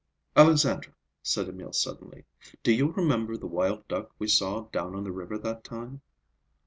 "Alexandra," said Emil suddenly, "do you remember the wild duck we saw down on the river that time?"